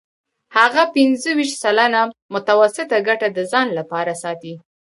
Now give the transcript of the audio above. هغه پنځه ویشت سلنه متوسطه ګټه د ځان لپاره ساتي